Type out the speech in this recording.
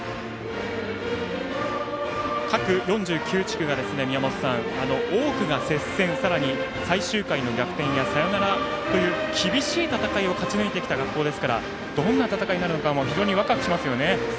各４９地区で多くが接戦、最終回の逆転やサヨナラという厳しい戦いを勝ち抜いてきた学校ですからどんな戦いになるのか非常にわくわくしますね。